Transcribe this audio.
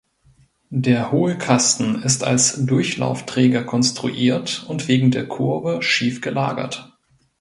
Der Hohlkasten ist als Durchlaufträger konstruiert und wegen der Kurve schief gelagert.